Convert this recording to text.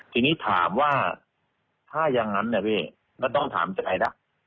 ทีนี้ถามว่าถ้ายังงั้นเนี่ยพี่ไม่ต้องถามจากใครล่ะ